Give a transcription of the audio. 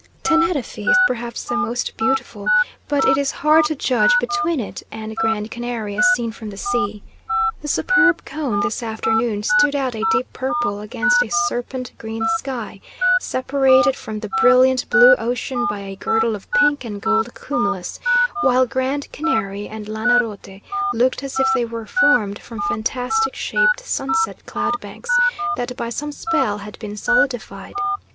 Teneriffe is perhaps the most beautiful, but it is hard to judge between it and Grand Canary as seen from the sea. The superb cone this afternoon stood out a deep purple against a serpent green sky, separated from the brilliant blue ocean by a girdle of pink and gold cumulus, while Grand Canary and Lancarote looked as if they were formed from fantastic shaped sunset cloud banks that by some spell had been solidified.